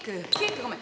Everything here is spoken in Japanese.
ごめん。